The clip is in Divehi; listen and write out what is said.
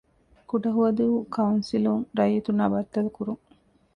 ކުޑަހުވަދޫ ކައުންސިލުން ރައްޔިތުންނާ ބައްދަލުކުރުން